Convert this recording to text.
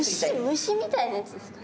虫虫みたいなやつですか？